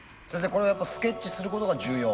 これやっぱスケッチすることが重要？